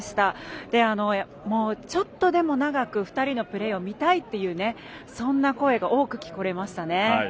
ちょっとでも長く２人のプレーを見たいというそんな声が多く聞かれましたね。